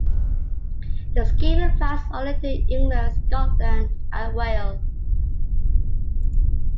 The scheme applies only to England, Scotland and Wales.